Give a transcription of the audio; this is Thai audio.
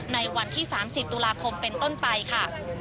ในวันที่๓๐ตุลาคมเป็นต้นไปค่ะ